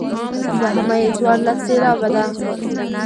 دوهمه یې څوارلس سېلابه ده.